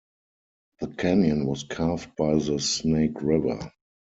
The canyon was carved by the Snake River.